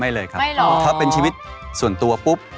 ไม่เลยครับไม่เลยเค้าเป็นชีวิตส่วนตัวปุ๊บ